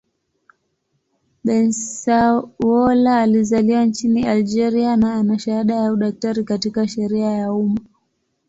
Bensaoula alizaliwa nchini Algeria na ana shahada ya udaktari katika sheria ya umma.